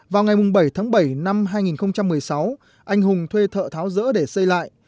vào ngày bảy tháng bảy năm hai nghìn một mươi sáu anh hùng thuê thợ tháo rỡ để xây lại